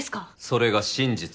それが真実だ。